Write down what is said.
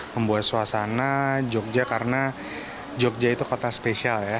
membuat suasana jogja karena jogja itu kota spesial ya